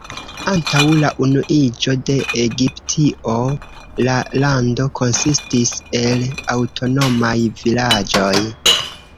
Antaŭ la unuiĝo de Egiptio, la lando konsistis el aŭtonomaj vilaĝoj.